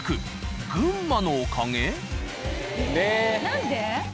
何で？